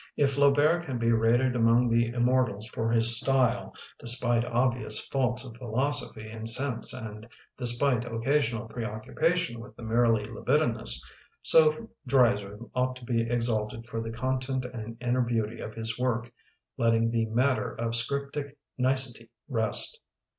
If Flaubert can be rated among the immortals for his style, de spite obvious faults of philosophy and sense and despite occasional preoccu pation with the merely libidinous, so Dreiser ought to be exalted for the content and inner beauty of his work, letting the matter of scriptic nicety rest.